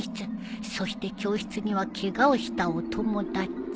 そして教室にはケガをしたお友達。